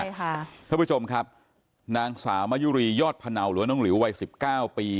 ใช่ค่ะท่านผู้ชมครับนางสาวมะยุรียอดพะเนาหรือน้องเหลววัย๑๙ปี